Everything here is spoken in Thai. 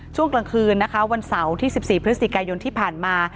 ช่วงกลางคืนนะคะวันเสาร์ที่๑๔พฤศจิกายนที่ผ่านมา